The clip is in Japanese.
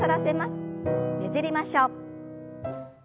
ねじりましょう。